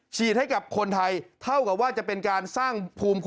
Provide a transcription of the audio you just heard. ฉีดให้กับคนไทยเท่ากับว่าจะเป็นการสร้างภูมิคุ้ม